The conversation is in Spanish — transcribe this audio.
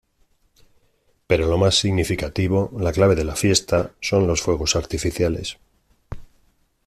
Pero lo más significativo, la clave de la fiesta, son los fuegos artificiales.